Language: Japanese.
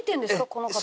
この方。